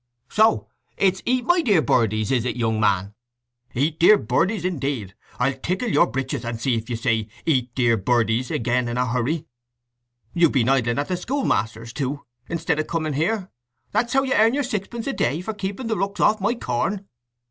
"So it's 'Eat my dear birdies,' is it, young man? 'Eat, dear birdies,' indeed! I'll tickle your breeches, and see if you say, 'Eat, dear birdies,' again in a hurry! And you've been idling at the schoolmaster's too, instead of coming here, ha'n't ye, hey? That's how you earn your sixpence a day for keeping the rooks off my corn!"